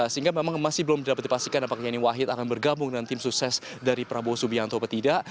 sehingga memang masih belum dapat dipastikan apakah yeni wahid akan bergabung dengan tim sukses dari prabowo subianto atau tidak